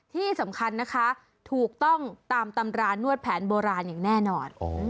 ที่สำคัญนะคะถูกต้องตามตำรานวดแผนโบราณอย่างแน่นอน